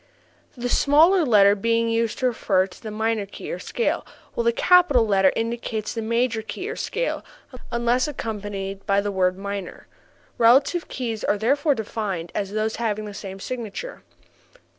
the small letter being used to refer to the minor key or scale, while the capital letter indicates the major key or scale unless accompanied by the word minor. Relative keys are therefore defined as those having the same signature.